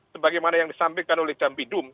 sebagaimana yang disampaikan oleh jambi dum